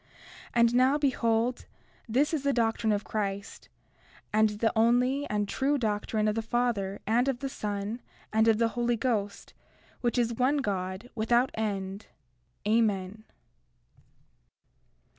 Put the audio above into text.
And now, behold, this is the doctrine of Christ, and the only and true doctrine of the Father, and of the Son, and of the Holy Ghost, which is one God, without end. Amen.